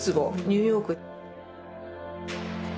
ニューヨーク。